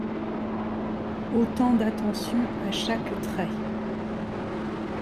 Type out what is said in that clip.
Autant d’attention à chaque trait.